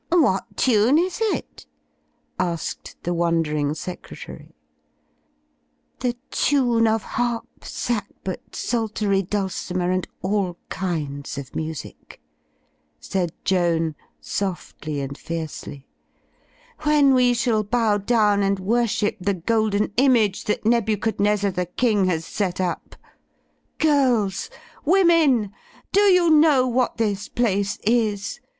"What tune is it?" asked the wondering secretary. "The time of harp, sackbut, psaltery, dulcimer and all kinds of music," said Joan, softly and fiercely, "when we shall bow down and worship the Golden Image that Nebuchadnezzar the King has set up. Girls! Women! Do you know what this place is?